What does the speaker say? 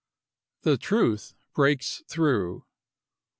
The Truth breaks through.